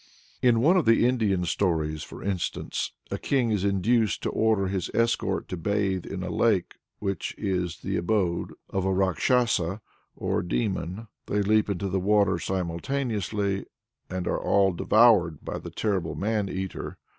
In one of the Indian stories, for instance, a king is induced to order his escort to bathe in a lake which is the abode of a Rákshasa or demon. They leap into the water simultaneously, and are all devoured by the terrible man eater.